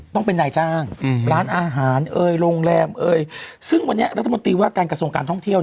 ต้องเป็นนายจ้างร้านอาหารเอ่ยโรงแรมเอยซึ่งวันนี้รัฐมนตรีว่าการกระทรวงการท่องเที่ยว